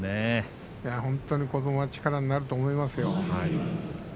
本当に子どもは力になると思いますよ。